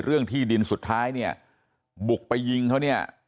เรื่องที่ดินสุดท้ายเนี่ยบุกไปยิงเขาเนี่ย